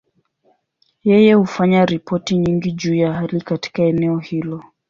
Yeye hufanya ripoti nyingi juu ya hali katika eneo hili.